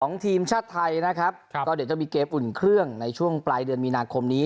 ของทีมชาติไทยก็จะมีเครียบอุ่นเครื่องในช่วงปลายเดือนมีนาคมนี้